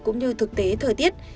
cũng như thực tế thời tiết